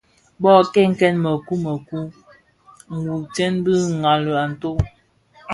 Bō kènkèn mëkun bi mëkun, wutsem dhi nlami a ntoo.